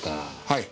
はい。